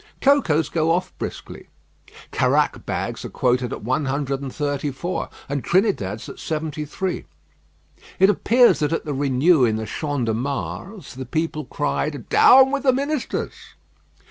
Cocoas go off briskly. Caraque bags are quoted at one hundred and thirty four, and Trinidad's at seventy three. It appears that at the review in the Champ de Mars, the people cried, 'Down with the ministers!'